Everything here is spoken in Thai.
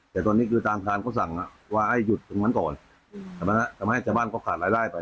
แต่ตอนนี้คือทางการเขาสั่งว่าให้หยุดตรงนั้นก่อนทำให้ชาวบ้านเขาขาดรายได้ไป